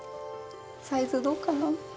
サイズどうかな。